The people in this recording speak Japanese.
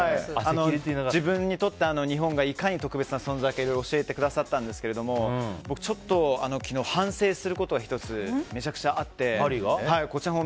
自分にとって日本がいかに特別な存在か教えてくださったんですけど僕、ちょっと昨日反省することが１つ、めちゃくちゃあって。